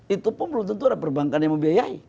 itu pun belum tentu ada perbankan yang membiayai